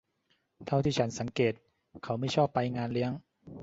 เท่าที่ฉันสังเกตเขาไม่ชอบไปงานเลี้ยง